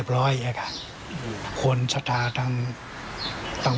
พัฒนาจัดเก่ง